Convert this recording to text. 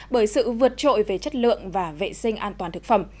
bởi sự vượt trội về chất lượng và vệ sinh an toàn thực phẩm